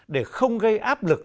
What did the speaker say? để không gây áp lực